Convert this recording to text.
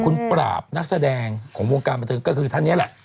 คุณปราบนักแสดงของวงการบันเทิงก็คือท่านนี้แหละ